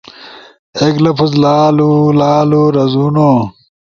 ایک لفظ لالولالو رزونو